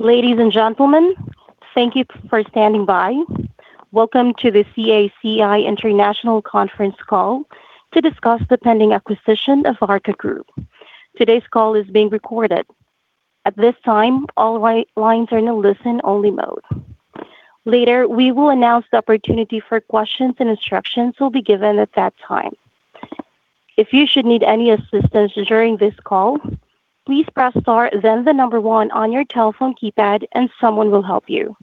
Ladies and gentlemen, thank you for standing by. Welcome to the CACI International Conference Call to discuss the pending acquisition of Arca Group. Today's call is being recorded. At this time, all lines are in a listen-only mode. Later, we will announce the opportunity for questions and instructions will be given at that time. If you should need any assistance during this call, please press star, then the number one on your telephone keypad, and someone will help you.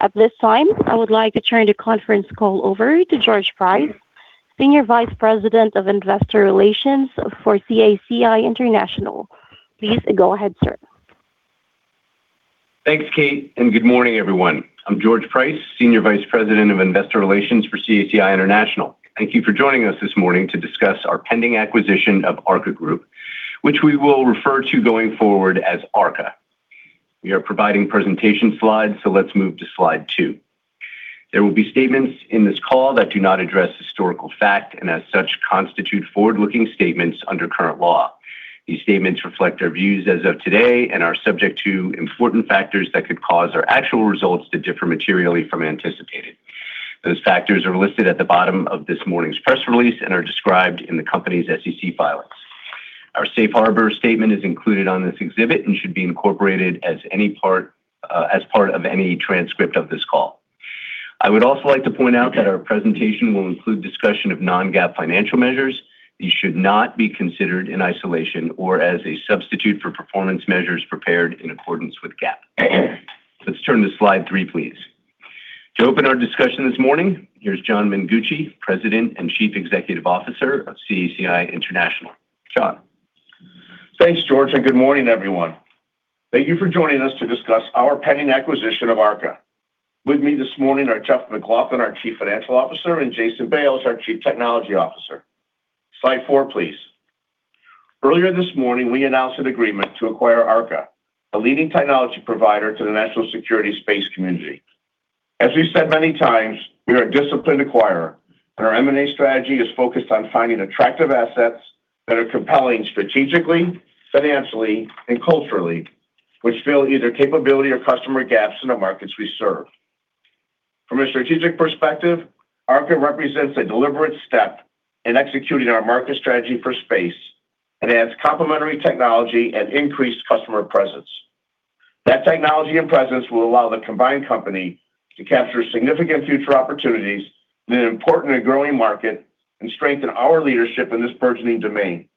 At this time, I would like to turn the conference call over to George Price, Senior Vice President of Investor Relations for CACI International. Please go ahead, sir. Thanks, Kate, and good morning, everyone. I'm George Price, Senior Vice President of Investor Relations for CACI International. Thank you for joining us this morning to discuss our pending acquisition of Arca Group, which we will refer to going forward as Arca. We are providing presentation slides, so let's move to slide two. There will be statements in this call that do not address historical fact and, as such, constitute forward-looking statements under current law. These statements reflect our views as of today and are subject to important factors that could cause our actual results to differ materially from anticipated. Those factors are listed at the bottom of this morning's press release and are described in the company's SEC filings. Our safe harbor statement is included on this exhibit and should be incorporated as part of any transcript of this call. I would also like to point out that our presentation will include discussion of non-GAAP financial measures. These should not be considered in isolation or as a substitute for performance measures prepared in accordance with GAAP. Let's turn to slide three, please. To open our discussion this morning, here's John Mengucci, President and Chief Executive Officer of CACI International. John. Thanks, George, and good morning, everyone. Thank you for joining us to discuss our pending acquisition of Arca. With me this morning are Jeff MacLauchlan, our Chief Financial Officer, and Jason Bales, our Chief Technology Officer. Slide four, please. Earlier this morning, we announced an agreement to acquire Arca, a leading technology provider to the national security space community. As we've said many times, we are a disciplined acquirer, and our M&A strategy is focused on finding attractive assets that are compelling strategically, financially, and culturally, which fill either capability or customer gaps in the markets we serve. From a strategic perspective, Arca represents a deliberate step in executing our market strategy for space and adds complementary technology and increased customer presence. That technology and presence will allow the combined company to capture significant future opportunities in an important and growing market and strengthen our leadership in this burgeoning domain.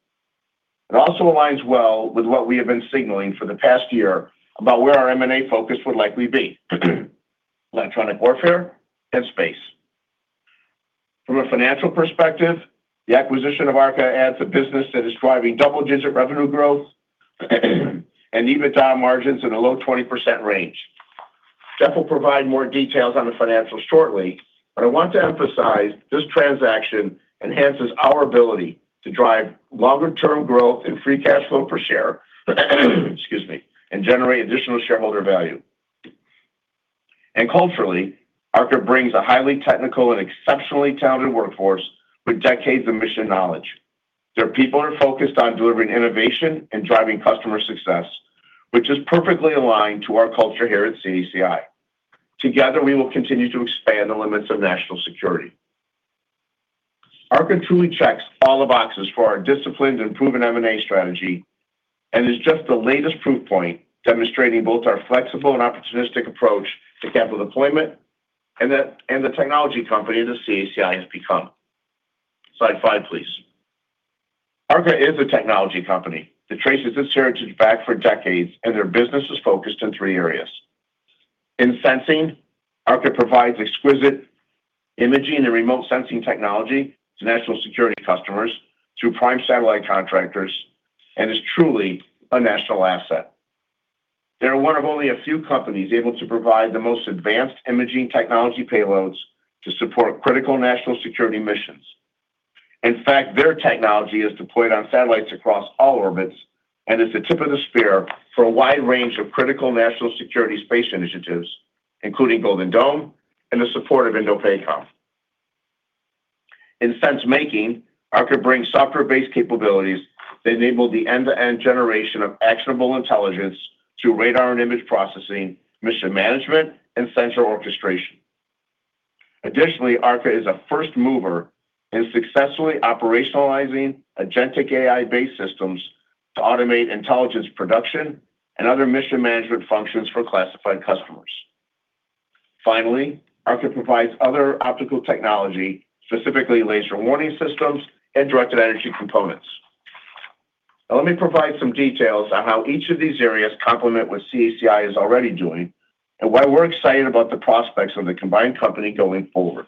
It also aligns well with what we have been signaling for the past year about where our M&A focus would likely be: electronic warfare and space. From a financial perspective, the acquisition of Arca adds a business that is driving double-digit revenue growth and EBITDA margins in a low 20% range. Jeff will provide more details on the financials shortly, but I want to emphasize this transaction enhances our ability to drive longer-term growth and free cash flow per share, excuse me, and generate additional shareholder value. And culturally, Arca brings a highly technical and exceptionally talented workforce with decades of mission knowledge. Their people are focused on delivering innovation and driving customer success, which is perfectly aligned to our culture here at CACI. Together, we will continue to expand the limits of national security. Arca truly checks all the boxes for our disciplined and proven M&A strategy and is just the latest proof point demonstrating both our flexible and opportunistic approach to capital deployment and the technology company the CACI has become. Slide five, please. Arca is a technology company that traces its heritage back for decades, and their business is focused in three areas. In sensing, Arca provides exquisite imaging and remote sensing technology to national security customers through prime satellite contractors and is truly a national asset. They are one of only a few companies able to provide the most advanced imaging technology payloads to support critical national security missions. In fact, their technology is deployed on satellites across all orbits and is the tip of the spear for a wide range of critical national security space initiatives, including Golden Dome and the support of INDOPACOM. In sense-making, Arca brings software-based capabilities that enable the end-to-end generation of actionable intelligence through radar and image processing, mission management, and sensor orchestration. Additionally, Arca is a first mover in successfully operationalizing agentic AI-based systems to automate intelligence production and other mission management functions for classified customers. Finally, Arca provides other optical technology, specifically laser warning systems and directed energy components. Now, let me provide some details on how each of these areas complement what CACI is already doing and why we're excited about the prospects of the combined company going forward.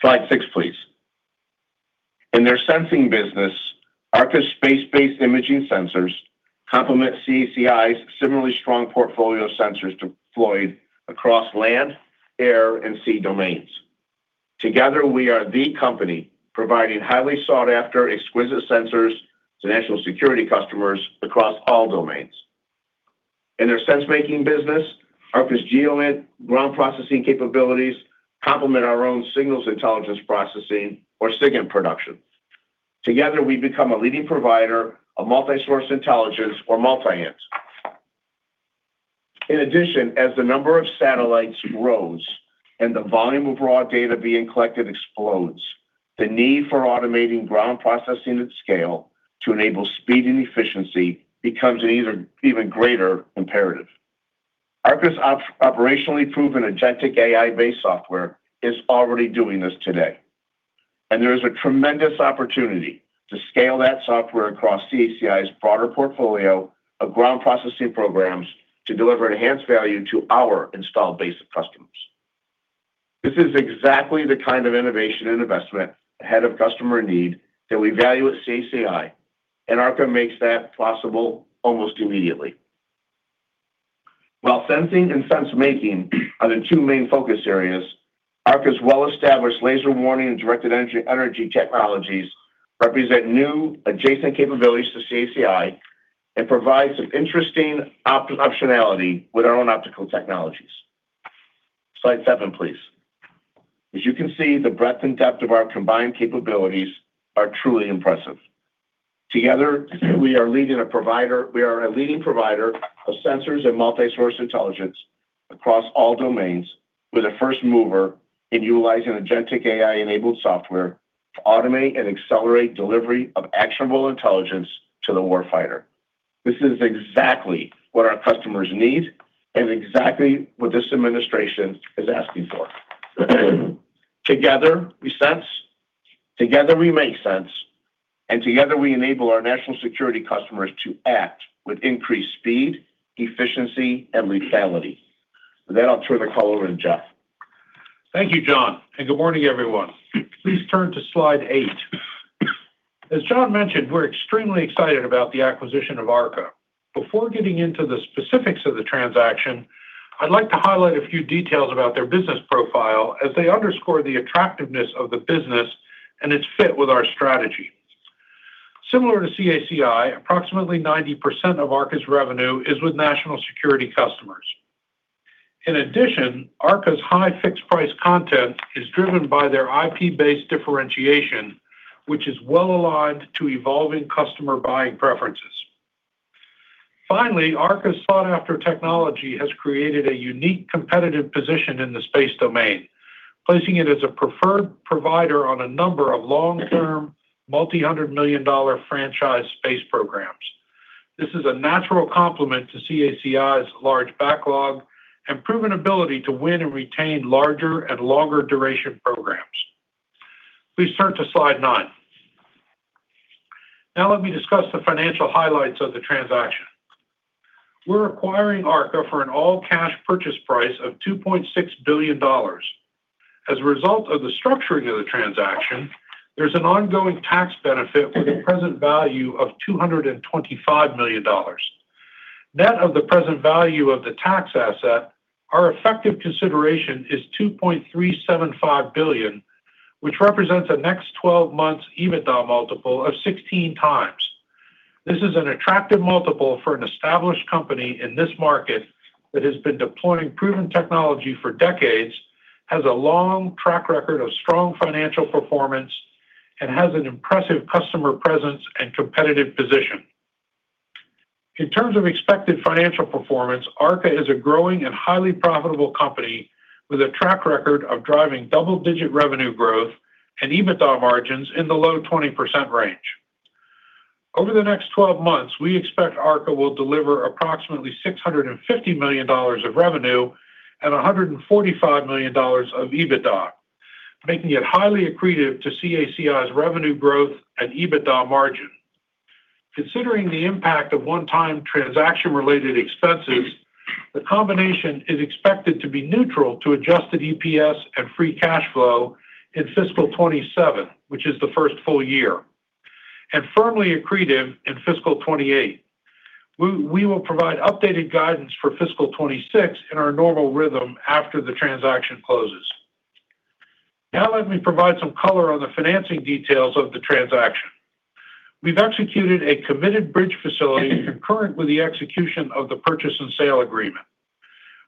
Slide six, please. In their sensing business, Arca's space-based imaging sensors complement CACI's similarly strong portfolio of sensors deployed across land, air, and sea domains. Together, we are the company providing highly sought-after, exquisite sensors to national security customers across all domains. In their sense-making business, Arca's geo ground processing capabilities complement our own signals intelligence processing or SIGINT production. Together, we become a leading provider of multi-source intelligence or multi-INT. In addition, as the number of satellites grows and the volume of raw data being collected explodes, the need for automating ground processing at scale to enable speed and efficiency becomes an even greater imperative. Arca's operationally proven agentic AI-based software is already doing this today, and there is a tremendous opportunity to scale that software across CACI's broader portfolio of ground processing programs to deliver enhanced value to our installed base of customers. This is exactly the innovation and investment ahead of customer need that we value at CACI, and Arca makes that possible almost immediately. While sensing and sense-making are the two main focus areas, Arca's well-established laser warning and directed energy technologies represent new adjacent capabilities to CACI and provide some interesting optionality with our own optical technologies. Slide seven, please. As you can see, the breadth and depth of our combined capabilities are truly impressive. Together, we are a leading provider of sensors and multi-source intelligence across all domains, with a first mover in utilizing agentic AI-enabled software to automate and accelerate delivery of actionable intelligence to the war fighter. This is exactly what our customers need and exactly what this administration is asking for. Together, we sense. Together, we make sense. And together, we enable our national security customers to act with increased speed, efficiency, and lethality. With that, I'll turn the call over to Jeff. Thank you, John, and good morning, everyone. Please turn to slide eight. As John mentioned, we're extremely excited about the acquisition of Arca. Before getting into the specifics of the transaction, I'd like to highlight a few details about their business profile as they underscore the attractiveness of the business and its fit with our strategy. Similar to CACI, approximately 90% of Arca's revenue is with national security customers. In addition, Arca's high fixed-price content is driven by their IP-based differentiation, which is well-aligned to evolving customer buying preferences. Finally, Arca's sought-after technology has created a unique competitive position in the space domain, placing it as a preferred provider on a number of long-term, multi-hundred-million-dollar franchise space programs. This is a natural complement to CACI's large backlog and proven ability to win and retain larger and longer-duration programs. Please turn to slide nine. Now, let me discuss the financial highlights of the transaction. We're acquiring Arca for an all-cash purchase price of $2.6 billion. As a result of the structuring of the transaction, there's an ongoing tax benefit with a present value of $225 million. Net of the present value of the tax asset, our effective consideration is $2.375 billion, which represents a next 12 months' EBITDA multiple of 16 times. This is an attractive multiple for an established company in this market that has been deploying proven technology for decades, has a long track record of strong financial performance, and has an impressive customer presence and competitive position. In terms of expected financial performance, Arca is a growing and highly profitable company with a track record of driving double-digit revenue growth and EBITDA margins in the low 20% range. Over the next 12 months, we expect Arca will deliver approximately $650 million of revenue and $145 million of EBITDA, making it highly accretive to CACI's revenue growth and EBITDA margin. Considering the impact of one-time transaction-related expenses, the combination is expected to be neutral to Adjusted EPS and Free Cash Flow in fiscal 27, which is the first full year, and firmly accretive in fiscal 28. We will provide updated guidance for fiscal 26 in our normal rhythm after the transaction closes. Now, let me provide some color on the financing details of the transaction. We've executed a committed bridge facility concurrent with the execution of the purchase and sale agreement.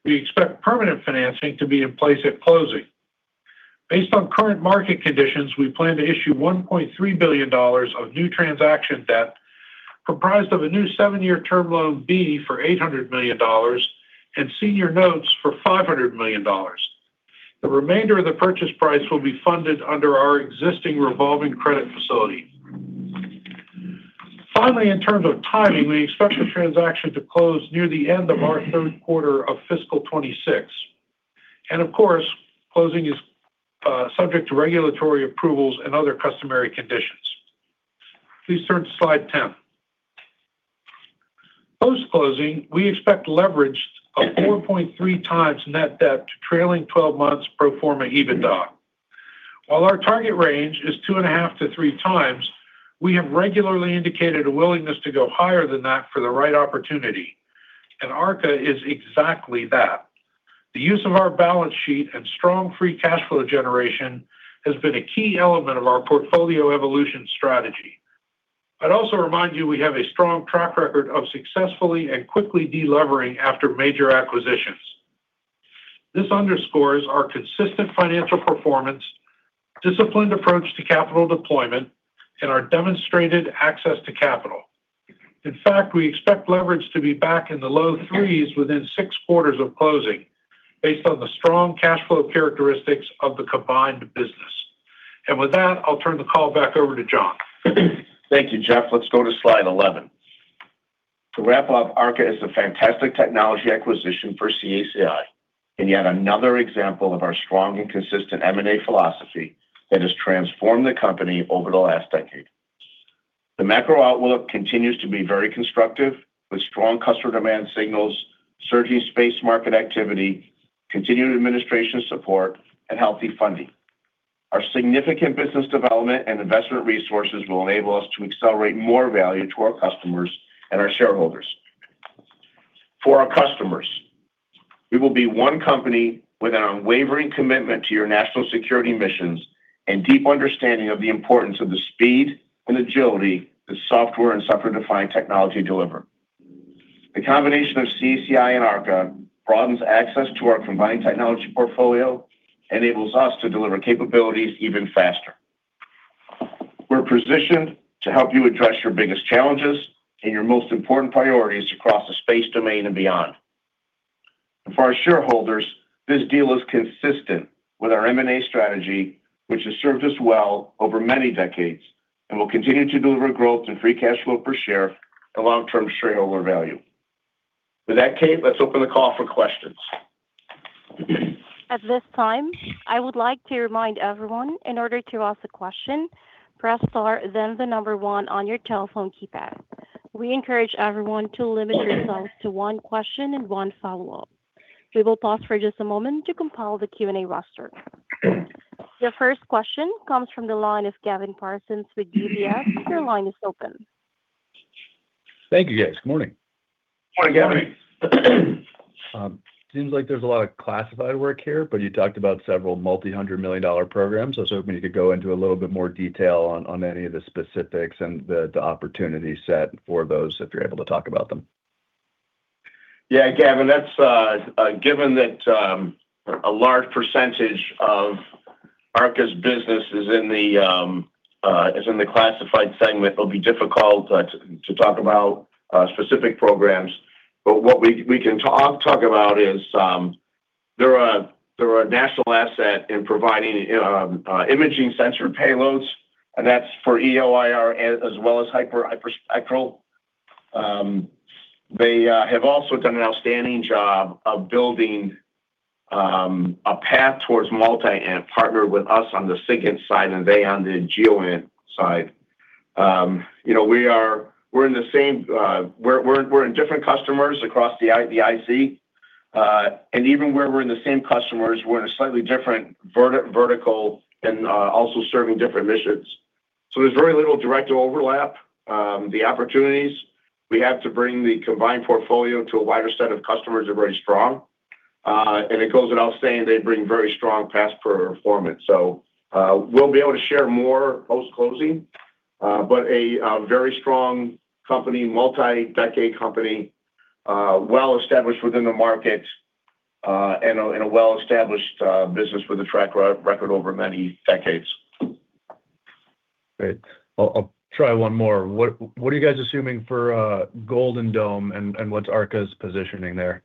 We expect permanent financing to be in place at closing. Based on current market conditions, we plan to issue $1.3 billion of new transaction debt comprised of a new seven-year Term Loan B for $800 million and senior notes for $500 million. The remainder of the purchase price will be funded under our existing revolving credit facility. Finally, in terms of timing, we expect the transaction to close near the end of our third quarter of fiscal 2026. Of course, closing is subject to regulatory approvals and other customary conditions. Please turn to slide 10. Post-closing, we expect leverage of 4.3 times net debt to trailing 12 months pro forma EBITDA. While our target range is two and a half to three times, we have regularly indicated a willingness to go higher than that for the right opportunity, and Arca is exactly that. The use of our balance sheet and strong free cash flow generation has been a key element of our portfolio evolution strategy. I'd also remind you we have a strong track record of successfully and quickly delevering after major acquisitions. This underscores our consistent financial performance, disciplined approach to capital deployment, and our demonstrated access to capital. In fact, we expect leverage to be back in the low threes within six quarters of closing based on the strong cash flow characteristics of the combined business. And with that, I'll turn the call back over to John. Thank you, Jeff. Let's go to slide 11. To wrap up, Arca is a fantastic technology acquisition for CACI and yet another example of our strong and consistent M&A philosophy that has transformed the company over the last decade. The macro outlook continues to be very constructive with strong customer demand signals, surging space market activity, continued administration support, and healthy funding. Our significant business development and investment resources will enable us to accelerate more value to our customers and our shareholders. For our customers, we will be one company with an unwavering commitment to your national security missions and deep understanding of the importance of the speed and agility that software and software-defined technology deliver. The combination of CACI and Arca broadens access to our combined technology portfolio and enables us to deliver capabilities even faster. We're positioned to help you address your biggest challenges and your most important priorities across the space domain and beyond. For our shareholders, this deal is consistent with our M&A strategy, which has served us well over many decades and will continue to deliver growth in free cash flow per share and long-term shareholder value. With that, Kate, let's open the call for questions. At this time, I would like to remind everyone in order to ask a question, press star, then the number one on your telephone keypad. We encourage everyone to limit yourself to one question and one follow-up. We will pause for just a moment to compile the Q&A roster. Your first question comes from the line of Gavin Parsons with UBS. Your line is open. Thank you, guys. Good morning. Morning, Gavin. Seems like there's a lot of classified work here, but you talked about several multi-hundred-million-dollar programs. I was hoping you could go into a little bit more detail on any of the specifics and the opportunity set for those if you're able to talk about them. Yeah, Gavin, that's, given that a large percentage of Arca's business is in the classified segment, it'll be difficult to talk about specific programs. But what we can talk about is they're a national asset in providing imaging sensor payloads, and that's for EO/IR as well as hyperspectral. They have also done an outstanding job of building a path towards Multi-INT, partnered with us on the SIGINT side and they on the GEOINT side. We're in different customers across the IC, and even where we're in the same customers, we're in a slightly different vertical and also serving different missions. So there's very little direct overlap. The opportunities we have to bring the combined portfolio to a wider set of customers are very strong. And it goes without saying, they bring very strong past performance. So we'll be able to share more post-closing, but a very strong company, multi-decade company, well-established within the market and a well-established business with a track record over many decades. Great. I'll try one more. What are you guys assuming for Golden Dome and what's Arca's positioning there?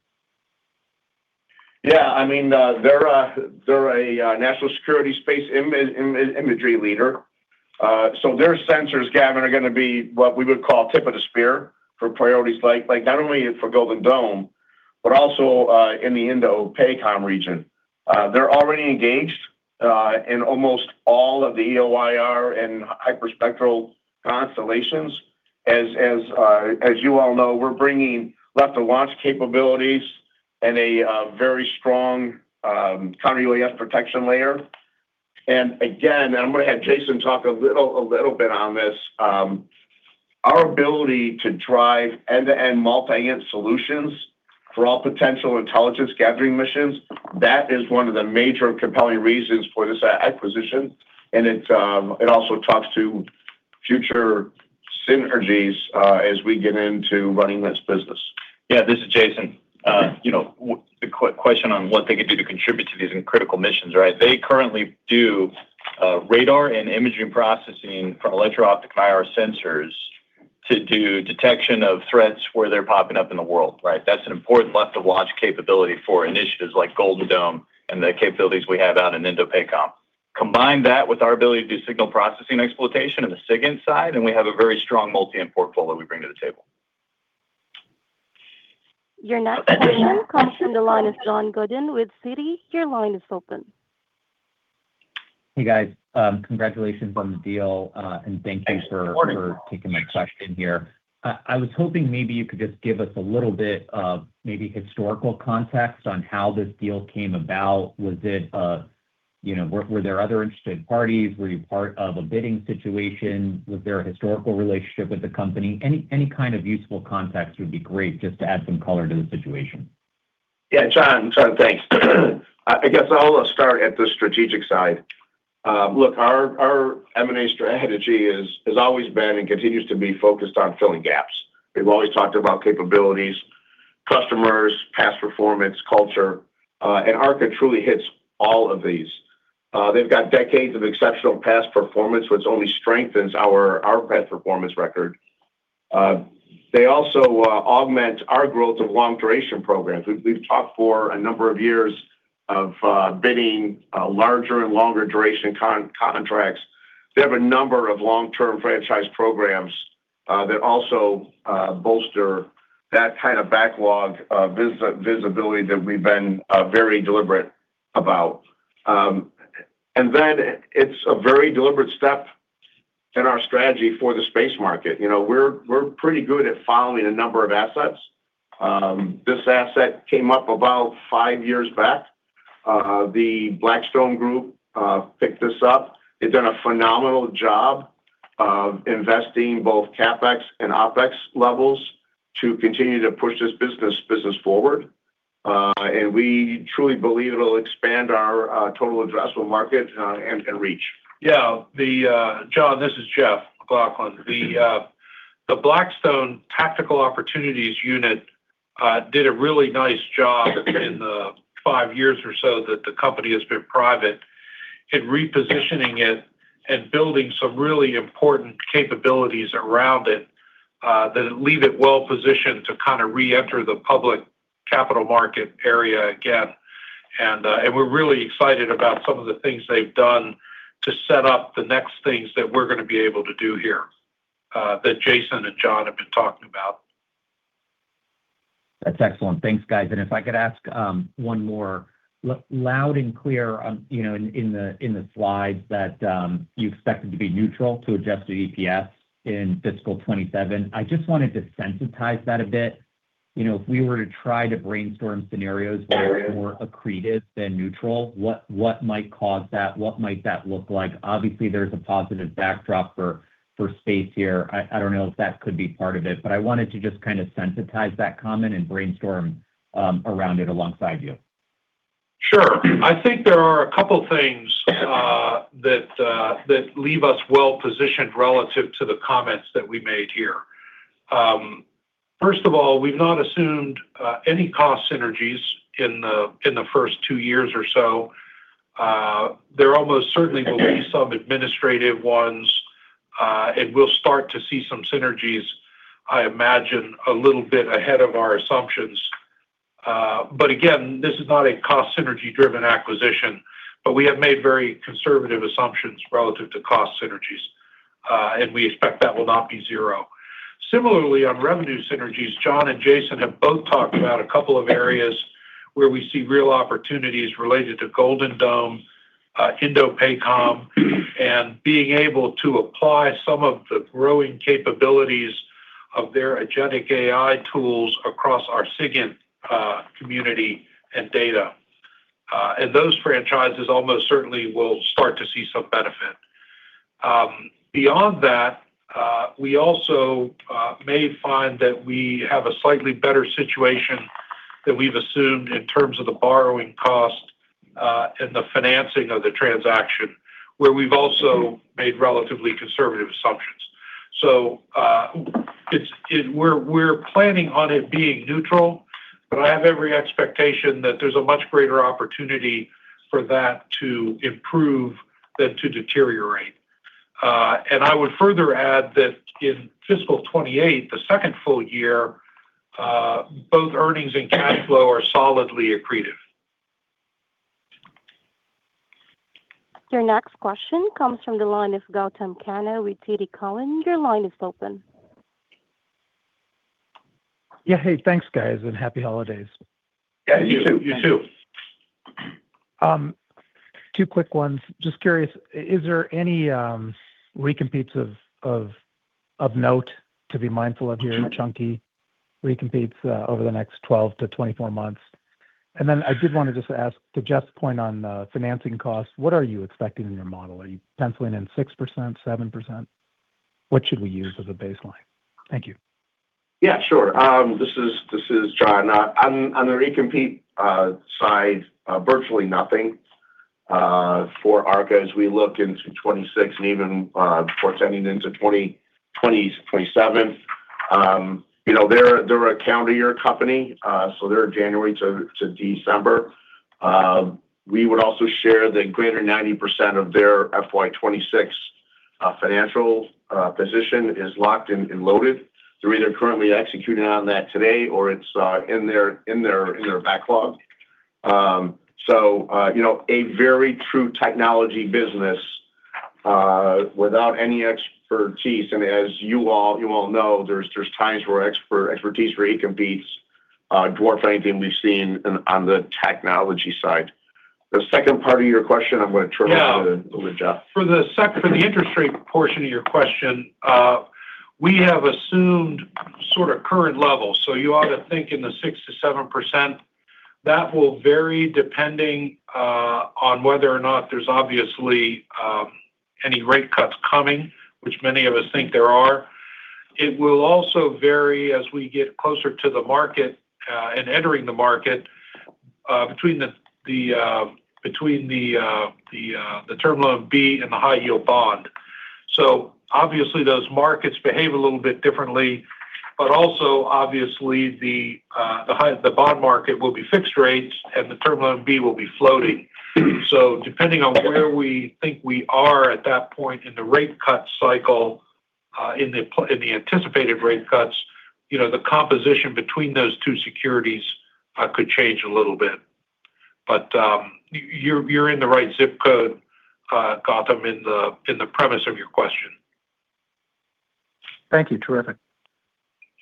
Yeah. I mean, they're a national security space imagery leader. So their sensors, Gavin, are going to be what we would call tip of the spear for priorities like not only for Golden Dome, but also in the INDOPACOM region. They're already engaged in almost all of the EO/IR and hyperspectral constellations. As you all know, we're bringing left-of-launch capabilities and a very strong counter-UAS protection layer. And again, I'm going to have Jason talk a little bit on this. Our ability to drive end-to-end multi-INT solutions for all potential intelligence-gathering missions, that is one of the major compelling reasons for this acquisition, and it also talks to future synergies as we get into running this business. Yeah, this is Jason. The question on what they could do to contribute to these critical missions, right? They currently do radar and imaging processing for electro-optical IR sensors to do detection of threats where they're popping up in the world, right? That's an important left-of-launch capability for initiatives like Golden Dome and the capabilities we have out in INDOPACOM. Combine that with our ability to do signal processing exploitation on the SIGINT side, and we have a very strong multi-INT portfolio we bring to the table. Your next question comes from the line of John Goodin with Citi. Your line is open. Hey, guys. Congratulations on the deal, and thank you for taking my question here. I was hoping maybe you could just give us a little bit of maybe historical context on how this deal came about. Was it? Were there other interested parties? Were you part of a bidding situation? Was there a historical relationship with the company? Any useful context would be great just to add some color to the situation. Yeah, John, thanks. I'll start at the strategic side. Look, our M&A strategy has always been and continues to be focused on filling gaps. We've always talked about capabilities, customers, past performance, culture, and Arca truly hits all of these. They've got decades of exceptional past performance, which only strengthens our past performance record. They also augment our growth of long-duration programs. We've talked for a number of years of bidding larger and longer-duration contracts. They have a number of long-term franchise programs that also bolster that backlog visibility that we've been very deliberate about. And then it's a very deliberate step in our strategy for the space market. We're pretty good at following a number of assets. This asset came up about five years back. The Blackstone Group picked this up. They've done a phenomenal job of investing both CapEx and OpEx levels to continue to push this business forward, and we truly believe it'll expand our total addressable market and reach. Yeah. John, this is Jeff MacLauchlan. The Blackstone Tactical Opportunities Unit did a really nice job in the five years or so that the company has been private in repositioning it and building some really important capabilities around it that leave it well-positioned to re-enter the public capital market area again, and we're really excited about some of the things they've done to set up the next things that we're going to be able to do here that Jason and John have been talking about. That's excellent. Thanks, guys. And if I could ask one more. Looking at the slides that you expected to be neutral to adjusted EPS in fiscal 2027. I just wanted to sensitize that a bit. If we were to try to brainstorm scenarios where it's more accretive than neutral, what might cause that? What might that look like? Obviously, there's a positive backdrop for space here. I don't know if that could be part of it, but I wanted to just sensitize that comment and brainstorm around it alongside you. Sure. There are a couple of things that leave us well-positioned relative to the comments that we made here. First of all, we've not assumed any cost synergies in the first two years or so. There almost certainly will be some administrative ones, and we'll start to see some synergies, I imagine, a little bit ahead of our assumptions. But again, this is not a cost synergy-driven acquisition, but we have made very conservative assumptions relative to cost synergies, and we expect that will not be zero. Similarly, on revenue synergies, John and Jason have both talked about a couple of areas where we see real opportunities related to Golden Dome, INDOPACOM, and being able to apply some of the growing capabilities of their Agentic AI tools across our SIGINT community and data, and those franchises almost certainly will start to see some benefit. Beyond that, we also may find that we have a slightly better situation than we've assumed in terms of the borrowing cost and the financing of the transaction, where we've also made relatively conservative assumptions. So we're planning on it being neutral, but I have every expectation that there's a much greater opportunity for that to improve than to deteriorate. And I would further add that in fiscal 2028, the second full year, both earnings and cash flow are solidly accretive. Your next question comes from the line of Gautam Khanna with TD Cowen. Your line is open. Yeah. Hey, thanks, guys, and happy holidays. Yeah, you too. Two quick ones. Just curious, is there any recompetes of note to be mindful of here? Chunky recompetes over the next 12-24 months. And then I did want to just ask to Jeff's point on financing costs, what are you expecting in your model? Are you penciling in 6%, 7%? What should we use as a baseline? Thank you. Yeah, sure. This is John. On the recompete side, virtually nothing for Arca as we look into 2026 and even forecasting into 2027. They're a calendar year company, so they're January to December. We would also share that greater than 90% of their FY26 financial position is locked and loaded. They're either currently executing on that today or it's in their backlog. So a very true technology business without any exposure. And as you all know, there's times where expertise for recompetes dwarfs anything we've seen on the technology side. The second part of your question, I'm going to turn it over to Jeff. Yeah. For the interest rate portion of your question, we have assumed sort of current levels. So you ought to think in the 6%-7%. That will vary depending on whether or not there's obviously any rate cuts coming, which many of us think there are. It will also vary as we get closer to the market and entering the market between the Term Loan B and the high-yield bond. So obviously, those markets behave a little bit differently, but also obviously, the bond market will be fixed rates and the Term Loan B will be floating. So depending on where we think we are at that point in the rate cut cycle, in the anticipated rate cuts, the composition between those two securities could change a little bit. But you're in the right zip code, Gautam, in the premise of your question. Thank you. Terrific.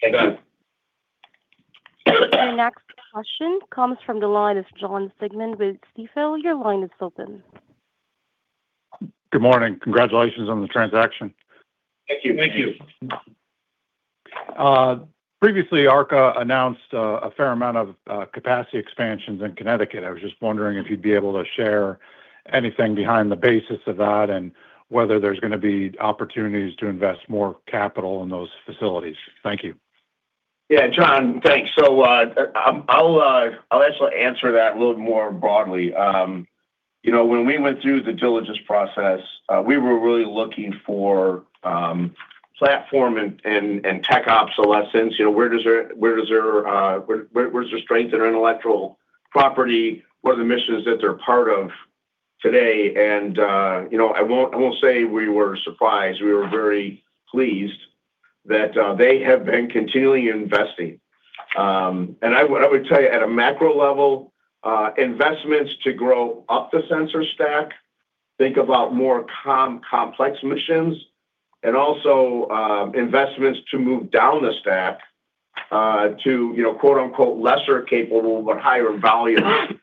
Thank you. Your next question comes from the line of John Siegman with CFIL. Your line is open. Good morning. Congratulations on the transaction. Thank you. Thank you. Previously, Arca announced a fair amount of capacity expansions in Connecticut. I was just wondering if you'd be able to share anything behind the basis of that and whether there's going to be opportunities to invest more capital in those facilities? Thank you. Yeah. John, thanks. So I'll actually answer that a little more broadly. When we went through the diligence process, we were really looking for platform and tech obsolescence. Where does their strength in intellectual property? What are the missions that they're part of today? And I won't say we were surprised. We were very pleased that they have been continually investing. And I would tell you at a macro level, investments to grow up the sensor stack, think about more complex missions, and also investments to move down the stack to "lesser capable but higher value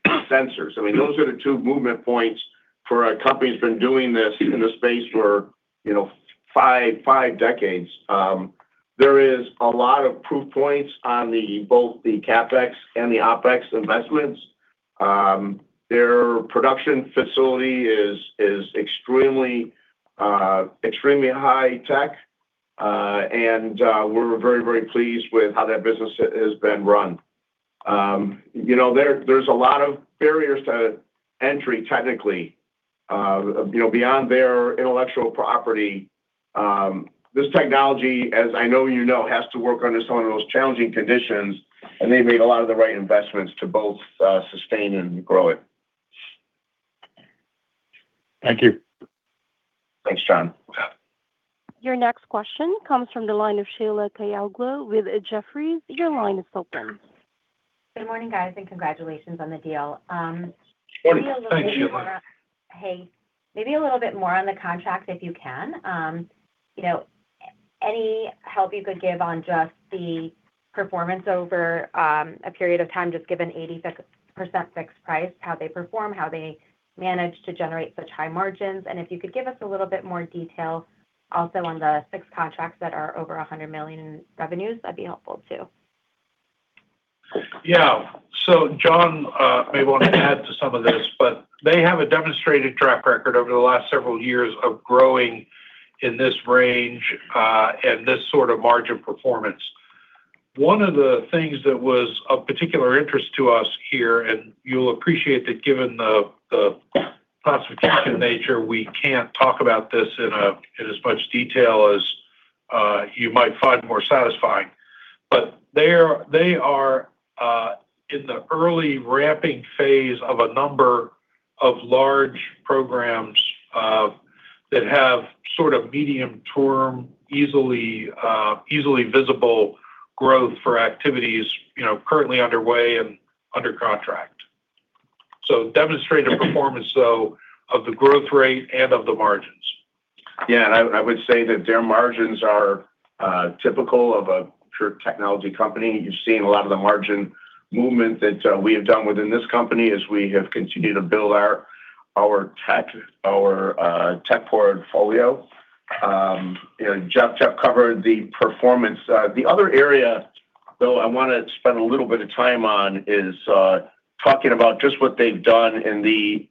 sensors." I mean, those are the two movement points for a company that's been doing this in the space for five decades. There is a lot of proof points on both the CapEx and the OpEx investments. Their production facility is extremely high-tech, and we're very, very pleased with how that business has been run. There's a lot of barriers to entry technically. Beyond their intellectual property, this technology, as I know you know, has to work under some of those challenging conditions, and they've made a lot of the right investments to both sustain and grow it. Thank you. Thanks, John. Your next question comes from the line of Sheila Kahyaoglu with Jefferies. Your line is open. Good morning, guys, and congratulations on the deal. Thanks, Sheila. Hey. Maybe a little bit more on the contract if you can. Any help you could give on just the performance over a period of time, just given 80% fixed price, how they perform, how they manage to generate such high margins? And if you could give us a little bit more detail also on the six contracts that are over 100 million in revenues, that'd be helpful too. Yeah, so John may want to add to some of this, but they have a demonstrated track record over the last several years of growing in this range and this sort of margin performance. One of the things that was of particular interest to us here, and you'll appreciate that given the classification nature, we can't talk about this in as much detail as you might find more satisfying, but they are in the early ramping phase of a number of large programs that have sort of medium-term, easily visible growth for activities currently underway and under contract, so demonstrative performance though of the growth rate and of the margins. Yeah, and I would say that their margins are typical of a technology company. You've seen a lot of the margin movement that we have done within this company as we have continued to build our tech portfolio. Jeff covered the performance. The other area though I want to spend a little bit of time on is talking about just what they've done in the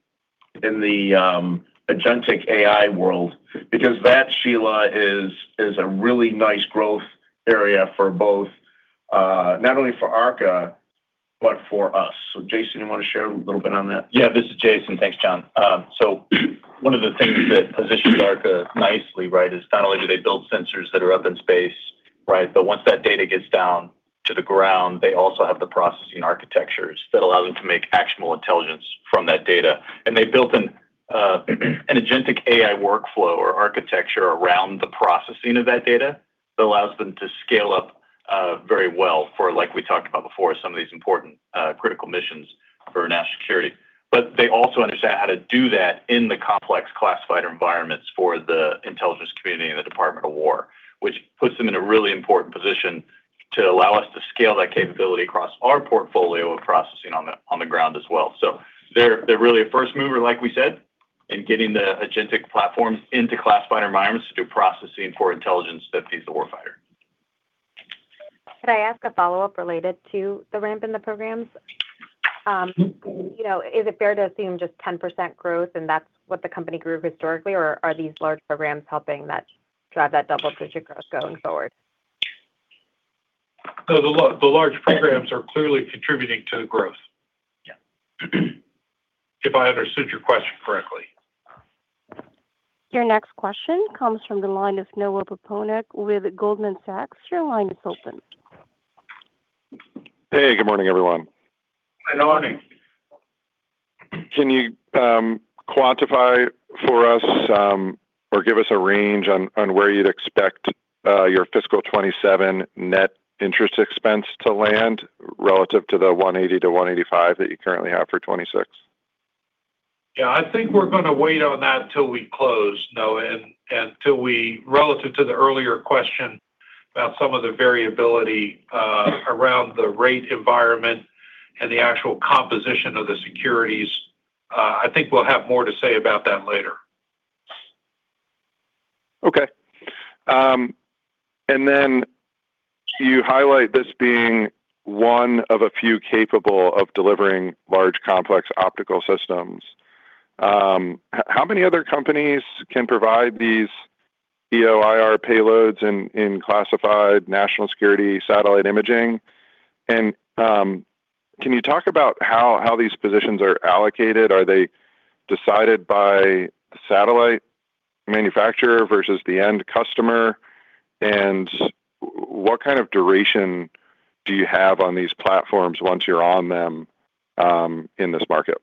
Agentic AI world because that, Sheila, is a really nice growth area for both not only for Arca, but for us. So Jason, you want to share a little bit on that? Yeah. This is Jason. Thanks, John. So one of the things that positions Arca nicely, right, is not only do they build sensors that are up in space, right, but once that data gets down to the ground, they also have the processing architectures that allow them to make actionable intelligence from that data. And they built an agentic AI workflow or architecture around the processing of that data that allows them to scale up very well for, like we talked about before, some of these important critical missions for national security. But they also understand how to do that in the complex classified environments for the intelligence community and the Department of Defense, which puts them in a really important position to allow us to scale that capability across our portfolio of processing on the ground as well. So they're really a first mover, like we said, in getting the agentic platforms into classified environments to do processing for intelligence that feeds the warfighter. Could I ask a follow-up related to the ramp in the programs? Is it fair to assume just 10% growth and that's what the company grew historically, or are these large programs helping drive that double-digit growth going forward? The large programs are clearly contributing to the growth, if I understood your question correctly. Your next question comes from the line of Noah Poponak with Goldman Sachs. Your line is open. Hey, good morning, everyone. Good morning. Can you quantify for us or give us a range on where you'd expect your fiscal 2027 net interest expense to land relative to the $180-$185 that you currently have for 2026? We're going to wait on that till we close, Noah, and relative to the earlier question about some of the variability around the rate environment and the actual composition of the securities, we'll have more to say about that later. Okay. And then you highlight this being one of a few capable of delivering large complex optical systems. How many other companies can provide these EO/IR payloads in classified national security satellite imaging? And can you talk about how these positions are allocated? Are they decided by the satellite manufacturer versus the end customer? And what duration do you have on these platforms once you're on them in this market?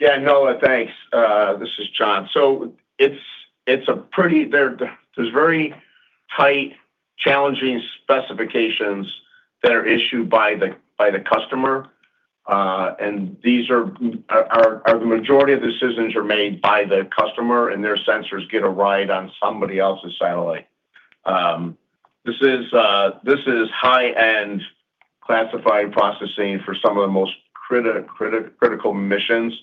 Noah, thanks. This is John, so there's very tight, challenging specifications that are issued by the customer, and the majority of the decisions are made by the customer, and their sensors get a ride on somebody else's satellite. This is high-end classified processing for some of the most critical missions.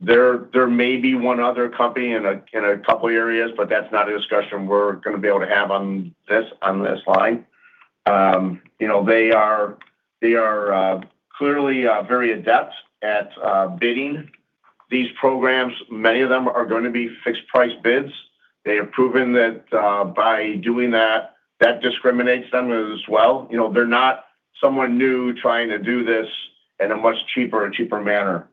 There may be one other company in a couple of areas, but that's not a discussion we're going to be able to have on this line. They are clearly very adept at bidding these programs. Many of them are going to be fixed-price bids. They have proven that by doing that, that discriminates them as well. They're not someone new trying to do this in a much cheaper and cheaper manner,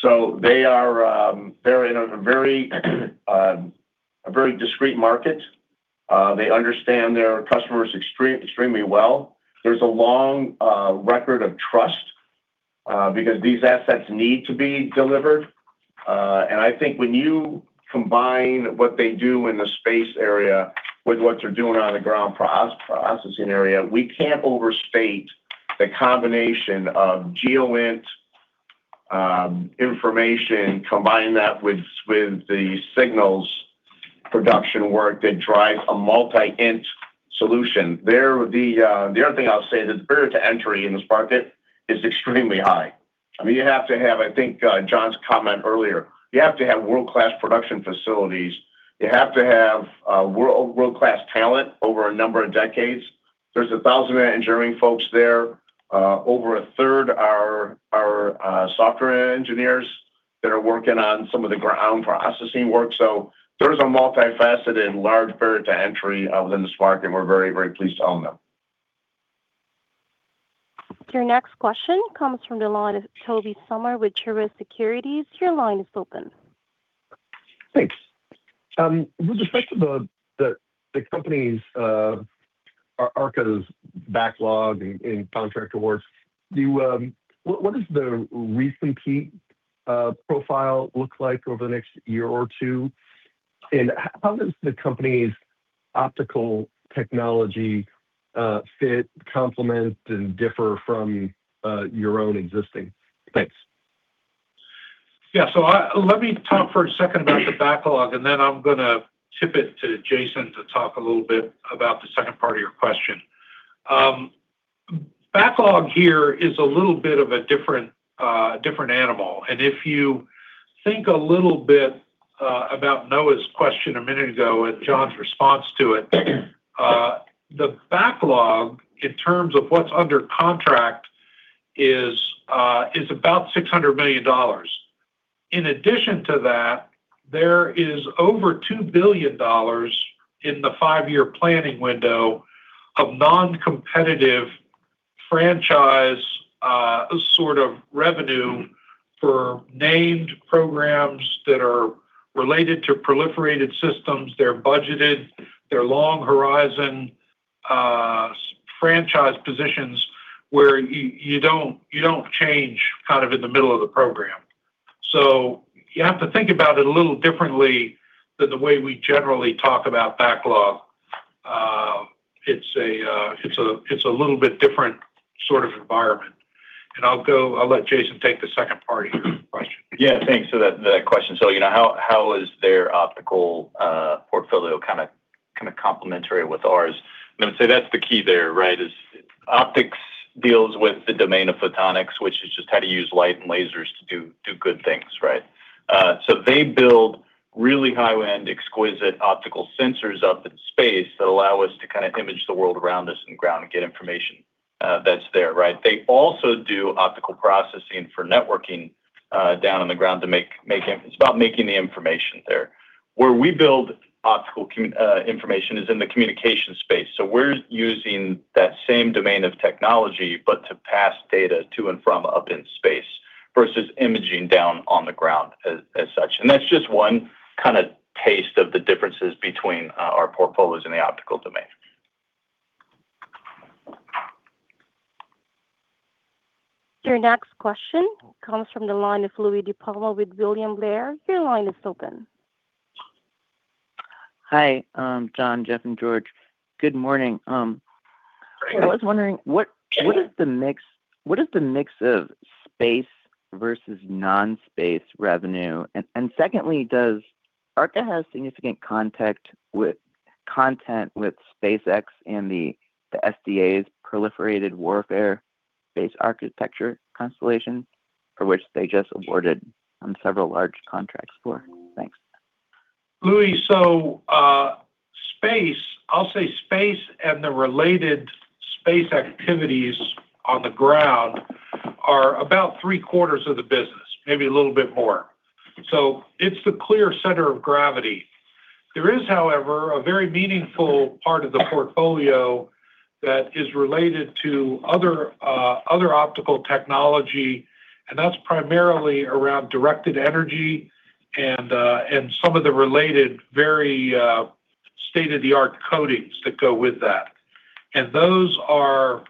so they are in a very discreet market. They understand their customers extremely well. There's a long record of trust because these assets need to be delivered. When you combine what they do in the space area with what they're doing on the ground processing area, we can't overstate the combination of GEOINT information, combining that with the signals production work that drives a multi-INT solution. The other thing I'll say is that the barrier to entry in this market is extremely high. I mean, you have to have, John's comment earlier, you have to have world-class production facilities. You have to have world-class talent over a number of decades. There's 1,000 engineering folks there. Over a third are software engineers that are working on some of the ground processing work. So there's a multifaceted large barrier to entry within this market, and we're very, very pleased to own them. Your next question comes from the line of Tobey Sommer with Truist Securities. Your line is open. Thanks. With respect to the company's, Arca's backlog and contract awards, what does the recompete profile look like over the next year or two? And how does the company's optical technology fit, complement, and differ from your own existing? Thanks. Yeah. So let me talk for a second about the backlog, and then I'm going to tip it to Jason to talk a little bit about the second part of your question. Backlog here is a little bit of a different animal. If you think a little bit about Noah's question a minute ago and John's response to it, the backlog in terms of what's under contract is about $600 million. In addition to that, there is over $2 billion in the five-year planning window of non-competitive franchise sort of revenue for named programs that are related to proliferated systems. They're budgeted. They're long-horizon franchise positions where you don't change in the middle of the program. So you have to think about it a little differently than the way we generally talk about backlog. It's a little bit different sort of environment. I'll let Jason take the second part of your question. Yeah. Thanks for that question. So how is their optical portfolio complementary with ours? And I would say that's the key there, right, is Optics deals with the domain of photonics, which is just how to use light and lasers to do good things, right? So they build really high-end, exquisite optical sensors up in space that allow us to image the world around us on the ground and get information that's there, right? They also do optical processing for networking down on the ground to make it's about making the information there. Where we build optical information is in the communication space. So we're using that same domain of technology, but to pass data to and from up in space versus imaging down on the ground as such. And that's just one taste of the differences between our portfolios and the optical domain. Your next question comes from the line of Louie DiPalma with William Blair. Your line is open. Hi, John, Jeff, and George. Good morning. I was wondering, what is the mix of space versus non-space revenue? And secondly, does Arca have significant content with SpaceX and the SDA's Proliferated Warfighter Space Architecture Constellation, for which they just awarded several large contracts for? Thanks. Louie, so space, I'll say space and the related space activities on the ground are about three-quarters of the business, maybe a little bit more, so it's the clear center of gravity. There is, however, a very meaningful part of the portfolio that is related to other optical technology, and that's primarily around directed energy and some of the related very state-of-the-art coatings that go with that, and those are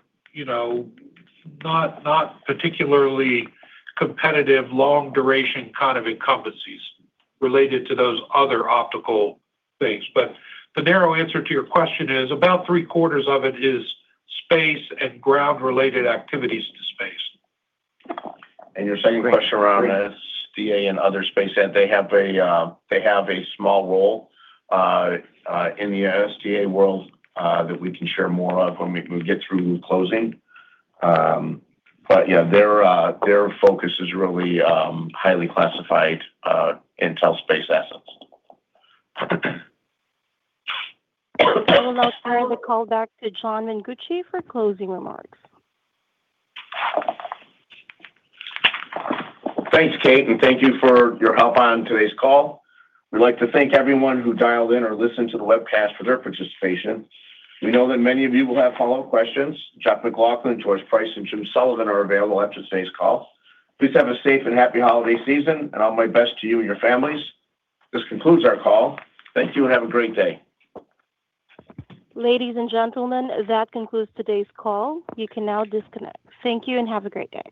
not particularly competitive, long-duration engagements related to those other optical things, but the narrow answer to your question is about three-quarters of it is space and ground-related activities to space. Your second question around SDA and other space, they have a small role in the SDA world that we can share more of when we get through closing. Yeah, their focus is really highly classified intel space assets. We'll now turn the call back to John Mengucci for closing remarks. Thanks, Kate, and thank you for your help on today's call. We'd like to thank everyone who dialed in or listened to the webcast for their participation. We know that many of you will have follow-up questions. Jeff MacLauchlan, George Price, and Jim Sullivan are available after today's call. Please have a safe and happy holiday season, and all my best to you and your families. This concludes our call. Thank you and have a great day. Ladies and gentlemen, that concludes today's call. You can now disconnect. Thank you and have a great day.